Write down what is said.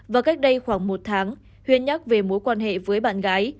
và cách đây khoảng một tháng huyên nhắc về mối quan hệ với bạn gái